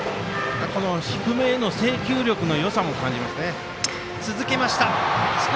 低めへの制球力のよさも感じます。